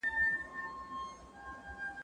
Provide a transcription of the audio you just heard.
د مرګ لامل شي.